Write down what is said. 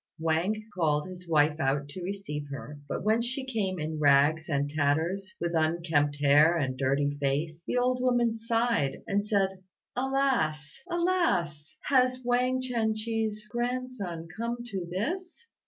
Wang called his wife out to receive her; but when she came in rags and tatters, with unkempt hair and dirty face, the old woman sighed, and said, "Alas! Alas! has Wang Chien chih's grandson come to this?"